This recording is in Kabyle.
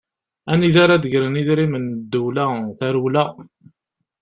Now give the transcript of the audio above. Anida ara d-gren idrimen n ddewla, tarewla!